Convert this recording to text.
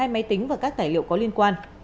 hai máy tính và các tài liệu có liên quan